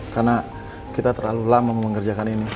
karena kita terlalu lama mengerjakan ini